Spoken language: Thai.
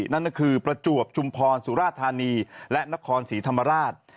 นั่นก็คือประจวบชุมพรสุราธานีและนครศรีธรรมราช